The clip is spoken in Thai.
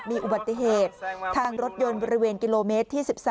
มีอุบัติเหตุทางรถยนต์บริเวณกิโลเมตรที่๑๓